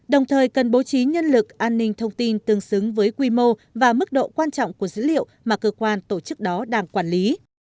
đồng thời cần bố trí nhân lực an ninh thông tin tương xứng với quy mô và mức độ quan trọng của dữ liệu mà cơ quan tổ chức đó đang quản lý